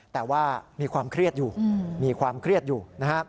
แต่ว่ามีความเครียดอยู่มีความเครียดอยู่นะครับ